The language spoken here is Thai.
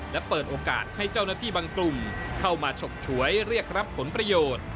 และเปิดโอกาสให้เจ้าหน้าที่บางกลุ่มเข้ามาฉกฉวยเรียกรับผลประโยชน์